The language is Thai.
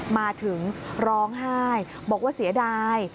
มาถึงร้องไห้บอกว่าเสียดาย